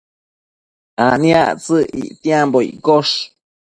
aniactsëc ictiambo iccosh